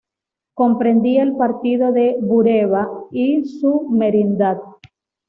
Comprendía el Partido de Bureba y su Merindad.